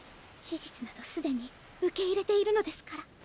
事実などすでに受け入れているのですから。